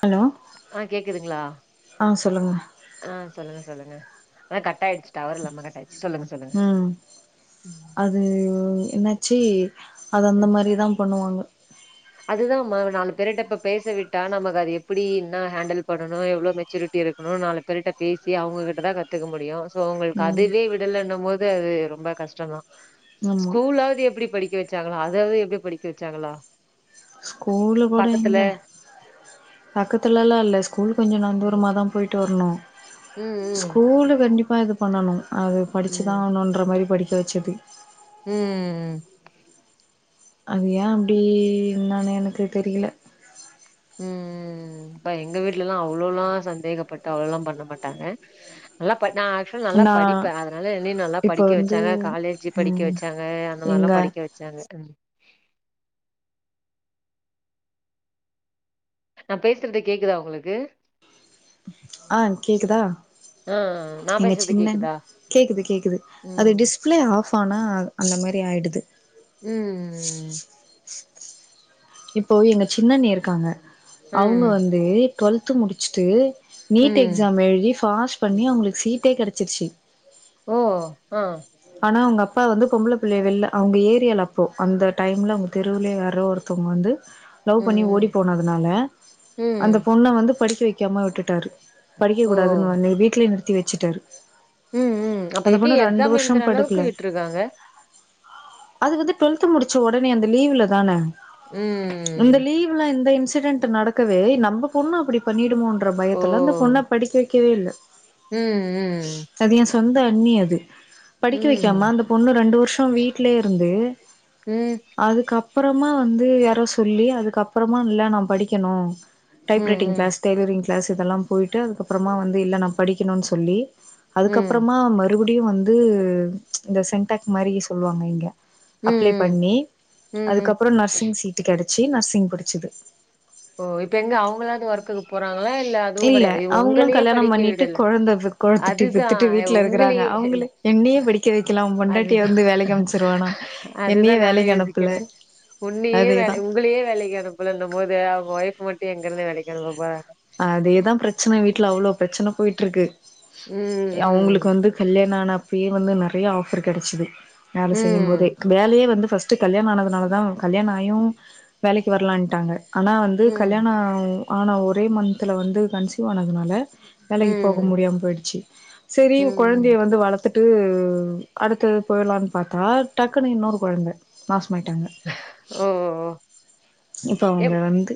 Hello அ கேக்குதுங்களா ஆ சொல்லுங்க அ சொல்லுங்க சொல்லுங்க ஆ கட்டாயிச்சு டவரில்லாம கட்டாயிச்சு சொல்லுங்க சொல்லுங்க ம் என்னாச்சி அது அந்தமாரி தான் பண்ணுவாங்க இதுதா மா நாலு பேருட இப்ப பேசவிட்டா நமக்கது எப்டீன்னா ஹேண்டில் பண்ணணு எவ்ளோ மெச்சூரிட்டி இருக்கணு நாலு பேருட்ட பேசி அவங்ககிட்டதா கத்துக்கமுடியு இப்போ உங்களுக்கு ம் அதுவே விடலனபோது அது ரொம்ப கஷ்டதா ஆமா ஸ்கூலாவது எப்படி படிக்கவச்சாங்களா அதாது எப்டி படிக்கவச்சாங்களா ஸ்கூல கூட இங்க பக்கத்துலலா இல்ல ஸ்கூல் கொஞ்ச ம் நந்தூரமாக தான் போயட்டுு துர்ந ம் ஸ்கூல் கண்டிப்பா இது பண்ணணு அது ம் படிச்சுதாவணும்ன்ற மாதிரி படிக்க தோச்சபி ம் ம் ம் அதுையா ஏ அப்படி நான எனக்கு தெரியல ம் ம் ம் ம் ப்ப எங்க வீட்ல எல்லா அவ்வளோ எல்லா சந்தேகப்பட்டு அவ்வளவு எல்லா பண்ண மாட்டாங்க நல்லா ப நான் ஆக்சுவ நல்லா நா படிப்பே அதனால என்ன நல்லா இப்போ படிக்க வந்து வச்சாங்க காலேஜ் படிக்க ம் வச்சாங்க அந்த மாரி எங்க படி படிக்க வச்சாங்க ம் நான் பேசுறத கேக்குதா உங்களுக்கு ஆ கேக்குதா ஆ நா எங்க பேசுறது சின்னன் கேக்குதா கேக்குது கேக்குது அது ம் டிஸ்பிளே ஆஃப் பானா அந்த மாரி ஆய்டுது ம் ம் ம் இப்போ எங்க சின்னண்ணி இருக்காங்க அவங்க ம் வந்து டுவெல்து முடிச்சுட்டு நீட் ம் எக்ஸாம் எழுதி பாஸ் பண்ணி அவங்களுக்கு சீட்டே கிடைச்சிருச்சி ஓ ஆ ஆனா அவங்க அப்பா வந்து பொம்பளைப்பிள்ளைய வெளில அவங்க ஏரியால அப்போ அந்த டைம்ல அவங்க தெருவுலே வேற ஒருத்தவங்க வந்து லவ் பண்ணி ஓடி ம் போனதுனால அந்த ம் பொண்ணை வந்து படிக்க வைக்காம விட்டுட்டாரு படிக்க ஓ கூடாதுன்னு வ வீட்லயே நிறுத்தி வச்சுட்டாரு ம் ம் அப்ப அந்த எப்டி பொண்ணு ரெண்டு எக்ஸாம் எழுதுற வருஷம் அளவுக்கு படுக்கல விட்ருக்காங்க அது வந்து டு்வெல்த் முடிச்ச உடனே அந்த லீவு்ல தான ம் இந்த லீவ்ல இந்த இன்சிடென்ட் நடக்கவே நம்ம பொண்ணு அப்படி பண்ணிடுமோ ருர ஓ பயத்துல அந்த பொண்ண படிக்க வைக்கவே இல்ல ம் ம் அது என் சொந்த அண்ணி அது படிக்க வைக்காம ம் அந்த பொண்ணு ரெண்டு வருஷம் வீட்லயே இருந்து ம் அதுக்கப் அப்புறமா வந்து யாரோ சொல்லி அதுக்கப்புறமா இல்ல நா படிக்கணு ம் டைப்ரைட்டிங் ம் கிளாஸ் டய்லரிங் கிளாஸ் இதெல்ல போய்ட்டு அதுக்கப்புற வந்து இல்ல நா படிக்கணும்னு சொல்லி ம். அதுக்கப்புறமா மறுபடியும் வந்து இந்த சென்டக் மாரி சொல்லுவாங்க இங்க ம், அப்ளே ம். பண்ணி ம், ம். அதுக்கப்றோ நர்சிங் சீட்டு கெடச்சி நர்சிங் படிச்சது ஓ இப்ப எங்க அவங்களாவது ஒர்க்குக்கு போறாங்களா இல்ல அதுவு கெடையாது இவ அவங்களு உங்களையே கல்யாணம் படிக்க பண்ணிட்டு விடல்ல கொழந்த கொழத்துட்டி அதுதா பெத்துட்டு வீட்ல இருக்கறாங்க உங்களேயே அவங்களே [unintelligible] என்னையே படிக்க வைக்கலா உ பொண்டாட்டிய அதுதா வந்து வேலைக்கு அனுப்ச்சிருவானா அதுதா என்னையே நானு வேலைக்கு அனுப்பல யோசிக்கிறே உன்னையே அதேதா [unintelligible] உங்களே வேலைக்கு அனுப்புலன்னும் போது அவங்க ஒய்ஃப் மட்டு எங்கிருந்து வேலைக்கு அனுப்ப போறங் அதேதா பிரச்சன வீட்ல அவ்ளோ பிரச்சன போயிட்டு இருக்கு ம், ம். அவங்களுக்கு வந்து கல்யாண ஆனா அப்பயே வந்து நெறைய ஆஃபர் கெடச்சது வேல செய்யும்போதே ம். வேலையே வந்து ஃபஸ்டு கல்யாண ஆனதுனால தா கல்யாணம் ஆயும் வேலைக்கு வரலான்டாங்க ஆனா வந்து ம். கல்யாண ஆன ஒரே மன்த்துல வந்து கன்சியூவ் ஆனதுனால வேலைக்கு போக ம். முடியாம போயிடுச்சு செரி கொழந்தைய ம். வந்து வளத்துட் டு அடுத்த போய்லாம்னு பாத்தா டக்குனு இன்னொரு கொழந்த மாஸ் மாட்டாங்க ஓ! ஓ! இப்ப அவங்க எப் வந்து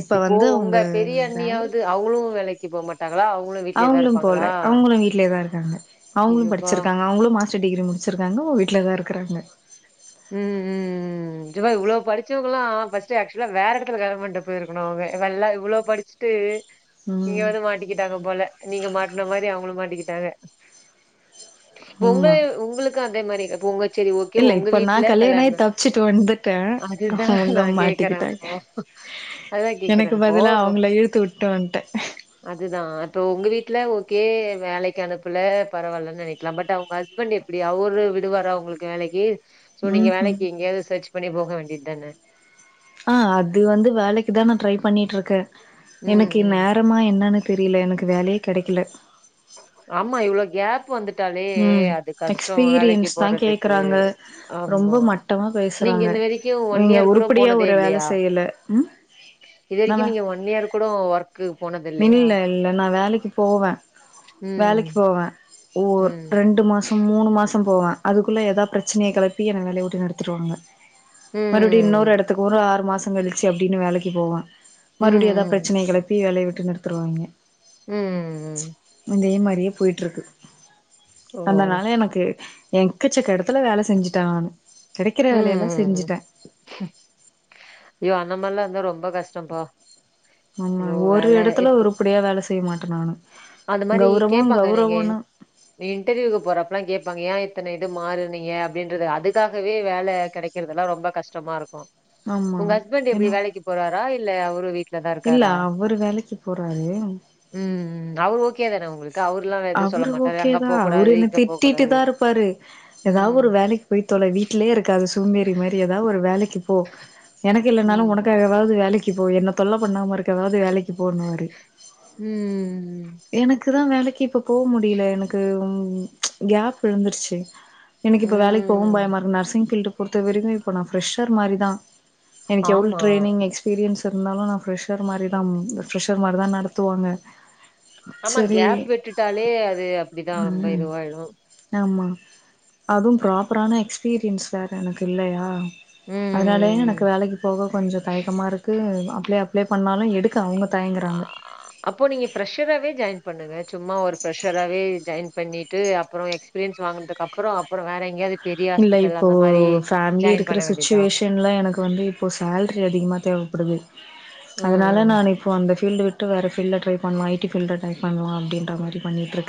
இப்ப இப்போ வந்து உங்க அவுங்க பெரிய அண்ணியாவது அவங்களு வேலைக்கு போக மாட்டாங்களா அவங் அவங்களும் போல அவங்களு வீட்லேதா இருக்காங்க ஐயோ! அவங்களும் அப்பா! படிச்சிருக்காங்க அவங்களும் மாஸ்டர் டிகிரி முடிசிருக்காங்க வீட்ல தா இருக்கிறாங்க ம் [unintelligible] இவ்ளோ படிச்சவங்கலாம் ஃபஸ்டு ஆக்சுவலா வேற இடத்துல வேரா இடத்துல கல்யாணம் பண்ணுட்டு போயிருக்கு அவங்க இவ எல்லா இவ்ளோ படிச்சுட்டு நீங்க ம் வந்து மாட்டிக்கிட்டாங்க போல நீங்க மாட்ன மாரி அவங்களு மாட்டிக்கிட்டாங்க உங்க ஆமா உங்களுக்கு அதே மாரி போங்க செரி ஓகே இல்ல உங்க இப்ப வீட் நா கல்யாண ஆயி தப்பச்சுட்டு வந்துட்டே அதுதான் அவங்க நான் கேக்குறேன் மாட்டிக்கிட்டாங்க இப்போ அதுதான் எனக் கேக்குறேன் கு பதிலா அவங்கள இழுத்து விட்டு வன்டே அதுதா அப்போ உங்க வீட்ல ஓ கே வேலைக்கு அனுப்பல பரவாயில்லைன்னு நெனைக்கலா பட் அவங்க ஹஸ்பண்ட் எப்டி அவரு விடுவற உங்ளுக்கு வேலைக்கு சோ நீங்க ம் ம் வேலைக்கு எங்கேயாவது சர்ச் பண்ணி போக வேண்டிய தானே ஆஹ் அது வந்து வேலைக்கு தா நா ட்ரை பண்ணிட்டு இருக்கே ம் எனக்கு ம் நேரமா என்னன்னுத் தெரியல எனக்கு வேலையே கெடைக்கல ஆமா இவ்ளோ கேப் வந்துட் ம் எக்ஸ்பீரியன்ஸ் தா போறதுக்கு கேக்குறாங்க ஆமா ரொம்ப மட்டமா நீங்க பேசுறாங்க இந்த வரைக்கு ஒன் நீங்க இயர் கூட உருப்படியா போனதே ஒரு வேல இல்லையா செய்யல ம் இது வரைக்கு நம்ம நீங்க ஒன் இயர் கூட ஒர்க்கு போனது இல்லையா இல்ல இல்ல நா வேலைக்கு போவே வேலைக்கு ம் போவே ஓ ம் ரெண்டு மாசம் மூணு மாசம் போவே அதுக்குள்ள ஏதாவது பிரச்சனைய கிளப்பி என்ன வேலைய வுட்டு நிறுத்திடுவாங்க மறுபடியு இன்னொரு ம் இடத்துக்கு ஒரு ஆறு மாசோ கழிச்சு அப்டின்னு வேலைக்கு போவே மறுபடி ஏதா ம் பிரச்சனைய கெளப்பி வேலைய விட்டு நிறுத்துருவாங்க ம் ம் ம் இதே மாரியே போய்டுருக்கு ஓ அதனால எனக்கு எங்கச்சக்க எடத்துல வேல செஞ்சுட்ட நானு கெடைக்கிற ம் வேலையெல்லா ம் ம் செஞ்சுட்டே அந்த மார்லா இருந்தா ரொம்ப கஷ்டம்பா ஆமா இவ்ளோ ஒரு வேல இடத்துல உருபடியா வேல செய்ய மாட்ட நானு அது மாரி கௌரவோ கேபாங்க நீங்க கௌரவோன்னு இன்டர்வியூ போறப்பல்லா கேப்பாங்க ஏ இத்தன இது மாறுனீங்க அப்டின்றது அதுக்காகவே வேல கெடைக்கிறதுல்லா ரொம்ப கஷ்டமா இருக்கு ஆமா உங்க ஹஸ்பண்ட் எப்டி ஏன்னா வேலைக்கு போறாரா இல்ல அவரு வீட் ல தா இல்ல இருக்காரா அவரு வேலைக்கு போறாரு ம் ம் அவரு ஓகே தானே உங்களுக் அவரு ஓகேதா அவரு என்ன இங்க போ திட்டிட்டு கூடாது. தா இருப்பாரு ஏதாவது ஒரு ம் வேலைக்கு போய்த் தொ ல வீட்லே இருக்காத சோம்பேறி மாரி ஏதாவது ஒரு வேலைக்கு போ எனக்கு இல்லைனாலும் ம். உனக்காகவாது வேலைக்கிப் போ என்ன தொல்ல பண்ணாம இருக்கவது வேலைக் ம் ம் எனக்கு தா வேலைக்கு இப்ப போக முடியல எனக்கு கேப் விழுந்துருச்சு எனக்கு இப்போ வேலைக்கு போகவும் ம் பயமா இருக்கு நர்சிங் ஃபில்லிடு பொறுத்த வரைக்கு இப்போ நா ஃப்ரஷர் மாரிதா எனக்கு எவ்ளோ ஆமா ட்ரெய்னிங் எக்ஸ்பீரியன்ஸ் இருந்தாலு நா ஃப்ரெஷர் மாரிதா ஃப்ரெஷர் மாரிதா நடத்துவாங்க ஆமா சரி கேப் விட்டுட்டாலே அது அப்டிதா ரொம்ப இதுவாயிடு அதும் ப்ராப்பரான எக்ஸ்பீரியன்ஸ் வேற எனக்கு இல்லயா அதனாலயே ம். எனக்கு வேலைக்கு போக கொஞ்சோ தயக்கமா இருக்கு அப்ளை அப்ளை பண்ணாலு எடுக்க அவுங்க ஆ அப்போ நீங்க ஃப்ரெஷராவே ஜாயின் பண்ணுங்க சும்மா ஒரு ஃபிரெஷராவே ஜாயின் பண்ணிட்டு அப்றோ எக்ஸ்பீரியன்ஸ் வாங்குனதுக்கப்றோ அப்றோ வேற எங்கயாவது பெரிய இல்ல ஹாஸ்பிட்டல் இப்போ அந்த மாரி ஃபேமிலி ஜாயின் இருக்கற பண்ண வேண்டியதுதா சுச்சுவேஷ்ன்ல எனக்கு வந்து இப்போ சேலரி அதிகமா தேவ படுது ம் அதனால ம். நானு இப்போ அந்த ஃபீல்டு விட்டு வேற ஃபீல்டுல ட்ரை பண்லா ஐ டி ஃபீல்டுல ட்ரை பண்லா அப்டின்ற மாரி பண்ணிட்டு இரு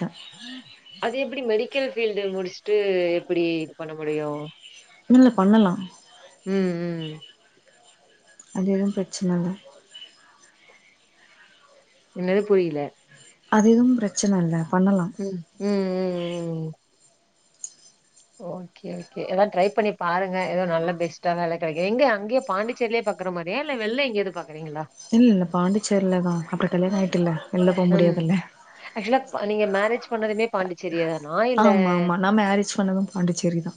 அது எப்டி மெடிக்கல் ஃபீல்டுல முடிச்சுட்டு எப்டி பண்ண முடியு இல்ல பண்ணலா ம் ம் அது எது பிரச்சனல்ல என்னது புரில அதிகம் பிரச்சன இல்ல பண்ணலா உஹ்ம் ம் ம் ம் ஓகே ஓகே எதா ட்ரை பண்ணி பாருங்க எதோ நல்லா பெஸ்ட்டா வேல கெடைக்கு எங்க அங்யே பாண்டிச்சேர்லயே பாக்கற மாரியா இல்ல வெள்ள எங்யாது பா இல்ல இல்ல பாண்டிச்சேர்லதா அப்றோ கல்யாண் ஆயிட்ல்ல வெளில போ ம் முடியாதுல்ல ஆக்சுவலா நீங்க மேரேஜ் பண்ணதுமே பாண்டிச்சேரியாதானா இல்ல ஆமா ஆமா நா மேரேஜ் பண்ணது பாண்டிச்சேரி தா